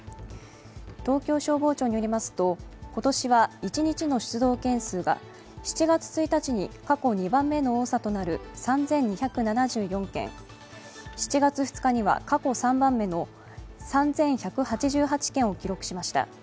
東京消防庁によりますと今年は一日の出動件数が７月１日に過去２番目の多さとなる３２７４件、７月２日には過去３番目の３１８８件を記録しました。